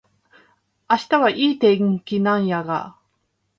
明日はいい天気なんやが